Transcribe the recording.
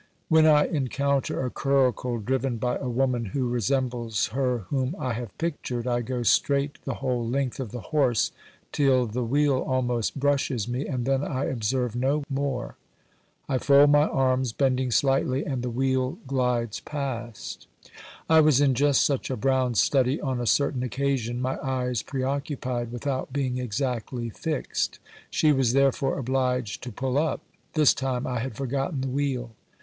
When I encounter a curricle driven by a woman who resembles her whom I have pictured, I go straight the whole length of the horse till the wheel almost brushes me, and then I observe no more. I fold my arms, bending slightly, and the wheel glides past. I was in just such a brown study on a certain occasion, my eyes preoccupied without being exactly fixed. She was therefore obliged to pull up ; this time I had forgotten the wheel.